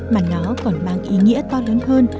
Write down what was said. mà nó còn mang ý nghĩa to lớn hơn